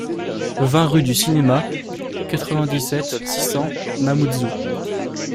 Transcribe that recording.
vingt rUE DU CINEMA, quatre-vingt-dix-sept, six cents, Mamoudzou